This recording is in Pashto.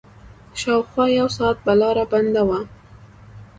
شاوخوا يو ساعت به لاره بنده وه.